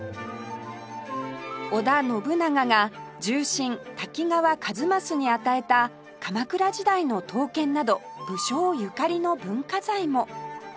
織田信長が重臣滝川一益に与えた鎌倉時代の刀剣など武将ゆかりの文化財も